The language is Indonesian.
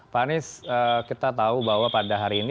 pak anies kita tahu bahwa pada hari ini